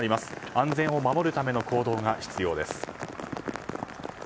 安全を守るための行動が必要です。